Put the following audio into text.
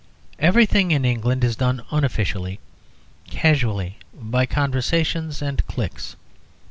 Everything in England is done unofficially, casually, by conversations and cliques.